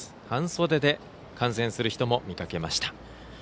半袖で観戦する人も見かけました。